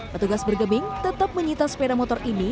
petugas bergeming tetap menyita sepeda motor ini